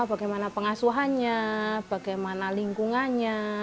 bagaimana pengasuhannya bagaimana lingkungannya